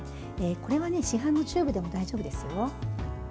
これは市販のチューブでも大丈夫ですよ。